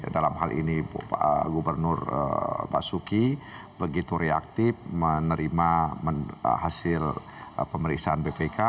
dalam hal ini gubernur basuki begitu reaktif menerima hasil pemeriksaan bpk